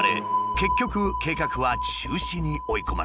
結局計画は中止に追い込まれた。